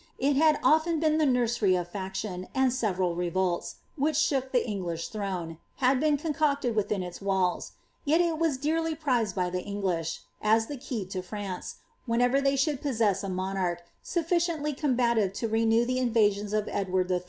It had oflen been the nursery of faction, and several revolts,' which shook the English throne, had been concocted within its walls ; yet it was dearly prized by the English, as the key to France, whenever they should possess a monarch, sufficiently combative to renew the invasions of Edward 111.